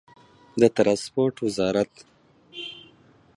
د ټرانسپورټ وزارت